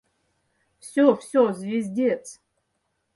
Всё, всё, звездец!